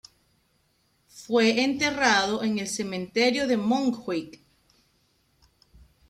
Fue enterrado en el Cementerio de Montjuïc.